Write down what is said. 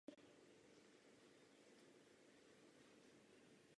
Poté studoval kanonické právo na Papežské univerzitě Gregoriana.